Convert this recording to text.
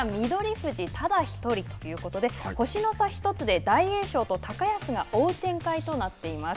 富士ただ１人ということで、星の差１つで、大栄翔と高安が追う展開となっています。